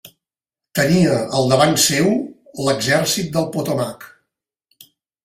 Tenia al davant seu l'Exèrcit del Potomac.